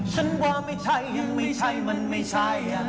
ฉันว่าไม่ใช่ยังไม่ใช่มันไม่ใช่